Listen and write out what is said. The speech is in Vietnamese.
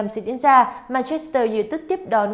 sẽ diễn ra manchester united tiếp đón